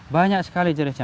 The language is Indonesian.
banyak sekali jenisnya